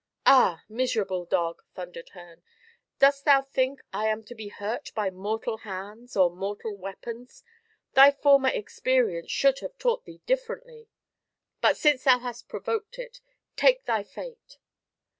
"Ah, miserable dog!" thundered Herne; "dost thou think I am to be hurt by mortal hands, or mortal weapons? Thy former experience should have taught thee differently. But since thou hast provoked it, take thy fate!"